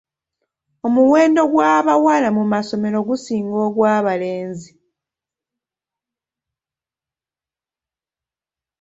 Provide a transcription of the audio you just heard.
Omuwendo gw'abawala mu masomero gusinga ogw'abalenzi.